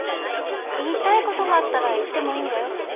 言いたいことがあったら言ってもいいんだよ。